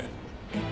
えっ？